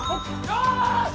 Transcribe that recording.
よし！